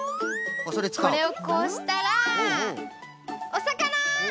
これをこうしたらおさかな！